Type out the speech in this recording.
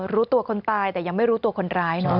รู้ตัวคนตายแต่ยังไม่รู้ตัวคนร้ายเนอะ